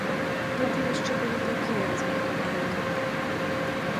Тады яшчэ былі такія размеркаванні.